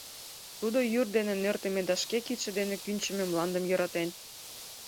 Тудо йӱр дене нӧртымӧ да шке кидше дене кӱнчымӧ мландым йӧратен.